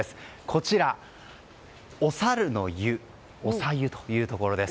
こちら、おさるの湯おさ湯というところです。